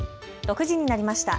６時になりました。